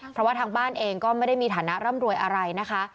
เพราะว่าทางบ้านเองก็ไม่ได้มีฐานะร่ำรวยอะไรนะคะ